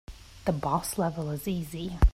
The boss level is easy.